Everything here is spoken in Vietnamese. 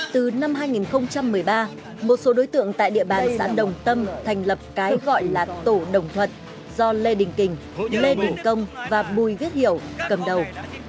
từ năm hai nghìn một mươi ba một số đối tượng tại địa bàn xã đồng tâm thành lập cái gọi là tổ đồng thuật do lê đình kình lê đình công và bùi viết hiểu cầm đầu